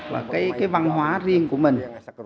và cái văn hóa riêng của mình